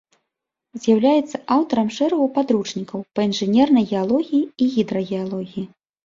З'яўляецца аўтарам шэрагу падручнікаў па інжынернай геалогіі і гідрагеалогіі.